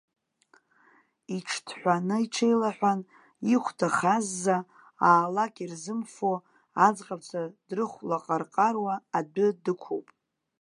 Иҽҭҳәаны иҽеилеиҳәан, ихәда хазза, аа-лак ирзымфо, аӡӷабцәа дрыхәлаҟарҟаруа адәы дықәуп.